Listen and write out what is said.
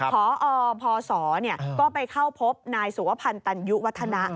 พอพศก็ไปเข้าพบนายสุวพันธ์ตันยุวัฒนะ